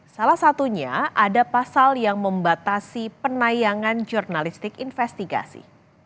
salah satunya ada pasal yang membatasi penayangan jurnalistik investigasi